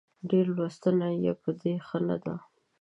ډېره لوستنه يې په دې ښه نه ده